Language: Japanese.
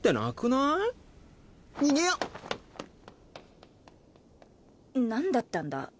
なんだったんだ？